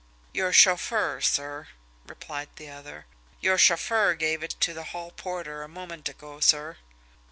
"Your chauffeur, sir," replied the other. "Your chauffeur gave it to the hall porter a moment ago, sir."